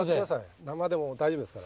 生でも大丈夫ですから。